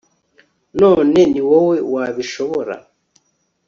none ni wowe wabishobora